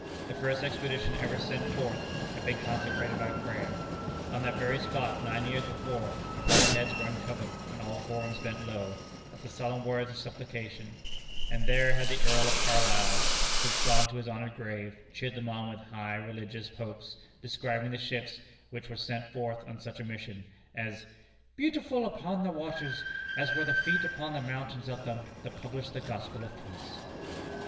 The first expedition ever sent forth had been consecrated by prayer. On that very spot, nine years before, all heads were uncovered and all forms bent low, at the solemn words of supplication; and there had the Earl of Carlisle since gone to his honored grave cheered them on with high religious hopes, describing the ships which were sent forth on such a mission, as "beautiful upon the waters as were the feet upon the mountains of them that publish the gospel of peace."